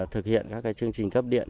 thực hiện các chương trình cấp điện